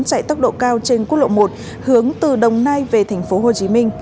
chạy tốc độ cao trên quốc lộ một hướng từ đồng nai về tp hcm